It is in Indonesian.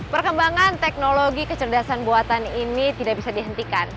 perkembangan teknologi kecerdasan buatan ini tidak bisa dihentikan